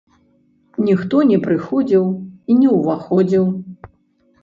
Ніхто не прыходзіў і не ўваходзіў.